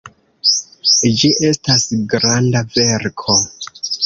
Ĝi estas granda verko.